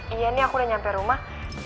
iya ini aku udah nyampe rumah